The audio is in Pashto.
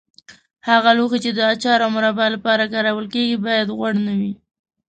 هغه لوښي چې د اچار او مربا لپاره کارول کېږي باید غوړ نه وي.